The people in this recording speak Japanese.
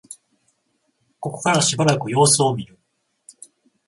ここからしばらく様子を見る